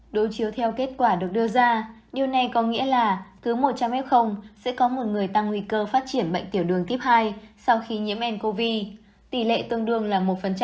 đối chiếu theo kết quả được đưa ra điều này có nghĩa là cứ một trăm linh f sẽ có một người tăng nguy cơ phát triển bệnh tiểu đường tiếp hai sau khi nhiễm ncov tỷ lệ tương đương là một